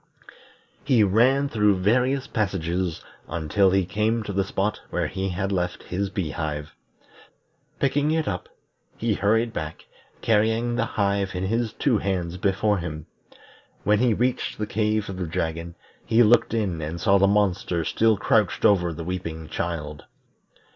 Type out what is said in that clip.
He ran through various passages until he came to the spot where he had left his bee hive. Picking it up, he hurried back, carrying the hive in his two hands before him. When he reached the cave of the dragon, he looked in and saw the monster still crouched over the weeping child.